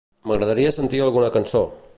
M'agradaria sentir alguna cançó.